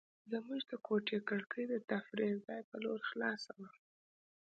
زموږ د کوټې کړکۍ د تفریح ځای په لور خلاصه وه.